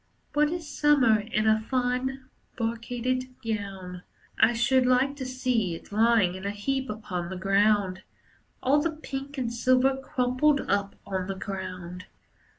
What is Summer in a fine brocaded gown! I should like to see it lying in a heap upon the ground. All the pink and silver crumpled up on the ground.